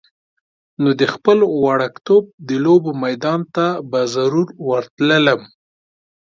نو د خپل وړکتوب د لوبو میدان ته به ضرور ورتللم.